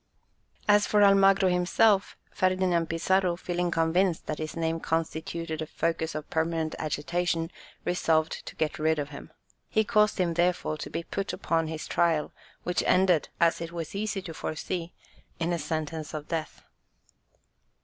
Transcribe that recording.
As for Almagro himself, Ferdinand Pizarro, feeling convinced that his name constituted a focus of permanent agitation, resolved to get rid of him. He caused him therefore to be put upon his trial, which ended, as it was easy to foresee, in a sentence of death.